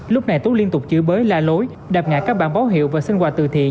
lúc này tú liên tục chữ bới la lối đạp ngã các bản báo hiệu và xin quà tự thiện